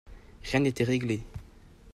Rien n'était réglé.